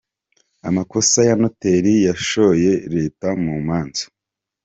Amakosa ya noteri yashoye Leta mu manza